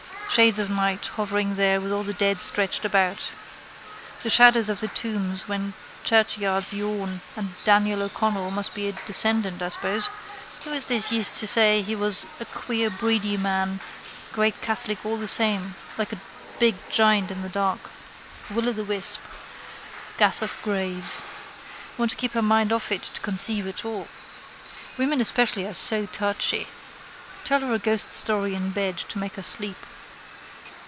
Shades of night hovering here with all the dead stretched about. The shadows of the tombs when churchyards yawn and Daniel O'Connell must be a descendant I suppose who is this used to say he was a queer breedy man great catholic all the same like a big giant in the dark. Will o' the wisp. Gas of graves. Want to keep her mind off it to conceive at all. Women especially are so touchy. Tell her a ghost story in bed to make her sleep.